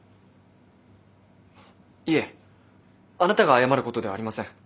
いえあなたが謝ることではありません。